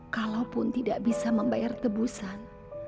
kalaupun tidak bisa membayar tebusan